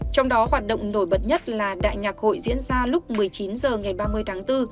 trong đó hoạt động nổi bật nhất là đại nhạc hội diễn ra lúc một mươi chín h ngày ba mươi tháng bốn